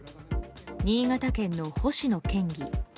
新潟県の星野県議。